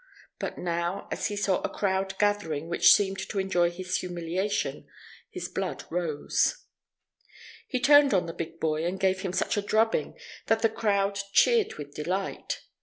But now, as he saw a crowd gathering which seemed to enjoy his humiliation, his blood rose. He turned on the big boy, and gave him such a drubbing that the crowd cheered with delight.